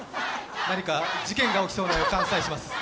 何が事件が起きそうな予感さえします。